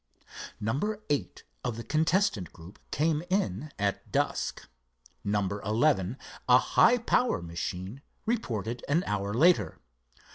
Number eight of the contestant group came in at dusk. Number eleven, a high power machine, reported an hour later.